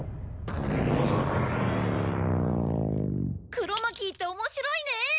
クロマキーって面白いね！